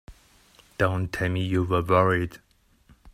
Don't tell me you were worried!